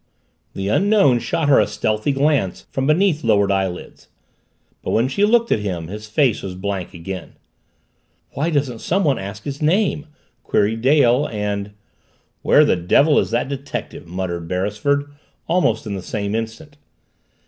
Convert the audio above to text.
The Unknown shot her a stealthy glance from beneath lowered eyelids. But when she looked at him, his face was blank again. "Why doesn't somebody ask his name?" queried Dale, and, "Where the devil is that detective?" muttered Beresford, almost in the same instant.